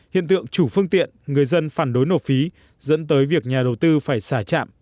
hiện tượng chủ phương tiện người dân phản đối nộp phí dẫn tới việc nhà đầu tư phải xả trạm